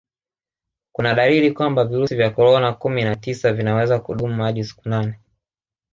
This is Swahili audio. kuna dalili kwamba virusi vya korona kumi na tisa vinaweza kudumu hadi siku nane